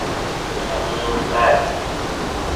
Мәғзүм ғәр.